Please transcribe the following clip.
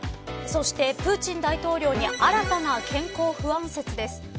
そして、プーチン大統領に新たな健康不安説です。